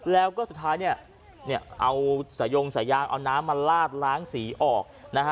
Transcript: แล้วก็สุดท้ายเนี่ยเอาสายงสายางเอาน้ำมาลาดล้างสีออกนะฮะ